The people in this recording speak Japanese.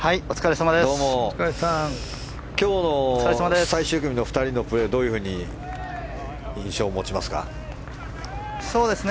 今日の最終組の２人のプレーをどういうふうな印象を持ちますか？